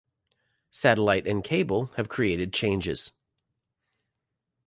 Satellite and cable have created changes.